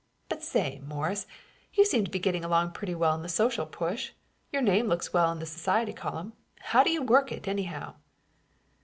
But say, Morris, you seem to be getting along pretty well in the social push. Your name looks well in the society column. How do you work it, anyhow?"